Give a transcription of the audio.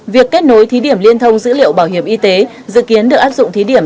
việc kết nối thí điểm liên thông dữ liệu bảo hiểm y tế dự kiến được áp dụng thí điểm